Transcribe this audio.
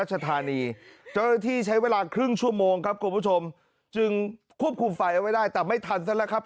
เจ้าหน้าที่ใช้เวลาครึ่งชั่วโมงครับคุณผู้ชมจึงควบคุมไฟเอาไว้ได้แต่ไม่ทันซะแล้วครับ